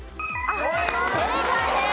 正解です！